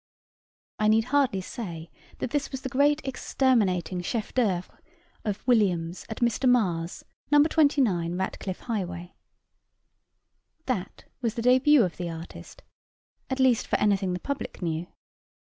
I need hardly say, that this was the great exterminating chef d'oeuvre of Williams at Mr. Marr's, No. 29, Ratcliffe Highway. That was the début of the artist; at least for anything the public knew.